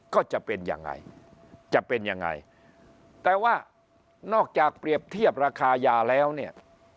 ก็จะเป็นยังไงจะเป็นยังไงแต่ว่านอกจากเปรียบเทียบราคายาแล้วเนี่ย